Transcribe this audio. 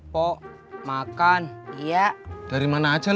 pemletar aja sih dah